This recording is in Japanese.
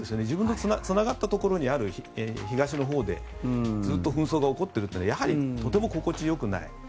自分たちとつながったところにある東のほうでずっと紛争が起こっているというのはとても心地がよくない。